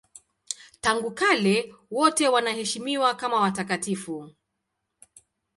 Tangu kale wote wanaheshimiwa kama watakatifu.